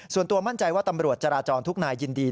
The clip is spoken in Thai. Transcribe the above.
ส่วนตัวมั่นใจว่าตำรวจจราจรทุกนายยินดี